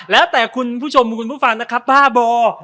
แล้วแต่คุณผู้ชมคุณผู้ฟังนะครับ๕เบอร์